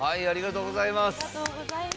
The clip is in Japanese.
ありがとうございます。